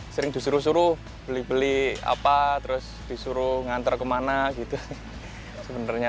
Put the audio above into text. sering disuruh suruh beli beli apa terus disuruh ngantar kemana gitu sebenarnya